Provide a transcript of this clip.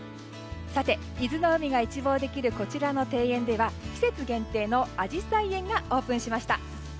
伊豆の海が一望できるこちらの庭園では季節限定のあじさい苑がオープンしました。